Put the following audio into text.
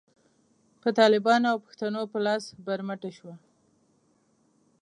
په طالبانو او پښتنو په لاس برمته شوه.